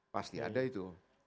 pasti ada itu